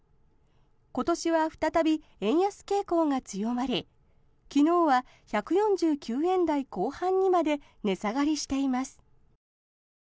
今年は再び円安傾向が強まり昨日は１４９円台後半にまで値下がりしています。